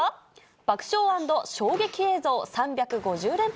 爆笑＆衝撃映像３５０連発。